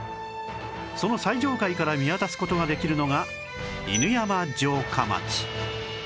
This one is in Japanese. その最上階から見渡す事ができるのが犬山城下町